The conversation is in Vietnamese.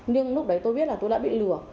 nhưng lúc đấy tôi biết là tôi đã bị lừa